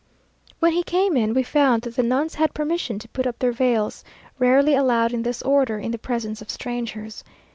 When he came in we found that the nuns had permission to put up their veils, rarely allowed in this order in the presence of strangers.